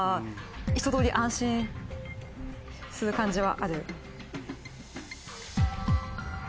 一通り安心する感じはある。